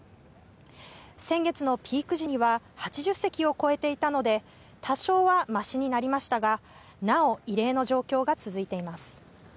先月のピーク時には８０隻を超えていたので、多少はましになりましたが、なお異例の状況が続いています。